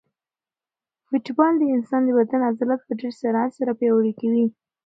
فوټبال د انسان د بدن عضلات په ډېر سرعت سره پیاوړي کوي.